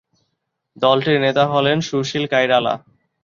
দলটির নেতা হলেন সুশীল কইরালা।